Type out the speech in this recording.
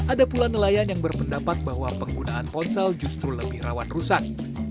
ada pula nelayan yang berpendapat bahwa penggunaan ponsel justru lebih rawan rusak